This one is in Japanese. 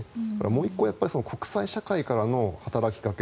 もう１個国際社会からの働きかけ